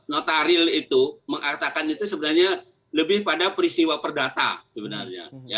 notaril itu mengatakan itu sebenarnya lebih pada peristiwa perdata sebenarnya